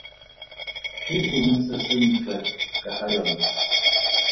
Ke eng se sentle ka ga yona?